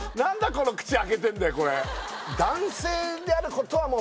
この口開けてんだよ